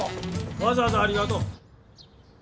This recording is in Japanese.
わざわざありがとう。